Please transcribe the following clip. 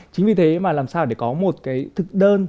chính vì thế mà làm sao để có một cái thực đơn